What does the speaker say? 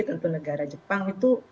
tentu negara jepang itu